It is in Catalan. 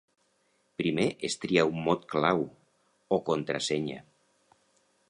Primer es tria un mot clau, o contrasenya.